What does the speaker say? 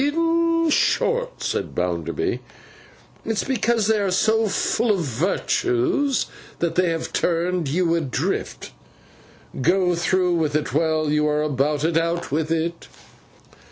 'In short,' said Mr. Bounderby, 'it's because they are so full of virtues that they have turned you adrift. Go through with it while you are about it. Out with it.